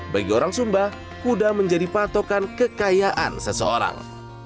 bagi orang sumba kuda menjadi patokan kekayaan seseorang